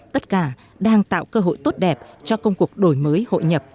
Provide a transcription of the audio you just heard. tất cả đang tạo cơ hội tốt đẹp cho công cuộc đổi mới hội nhập